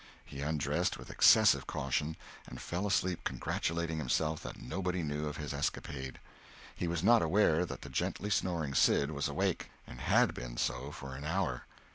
He undressed with excessive caution, and fell asleep congratulating himself that nobody knew of his escapade. He was not aware that the gently snoring Sid was awake, and had been so for an hour.